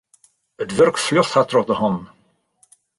It wurk fljocht har troch de hannen.